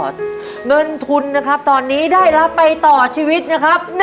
เงินทุนนะครับตอนนี้ได้รับไปต่อชีวิตนะครับ